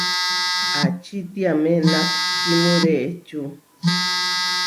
Ačitiamé nakhimú reʼečú?